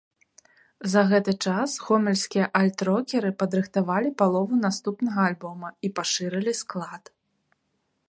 За гэты час гомельскія альт-рокеры падрыхтавалі палову наступнага альбома і пашырылі склад.